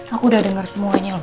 aku udah dengar semuanya loh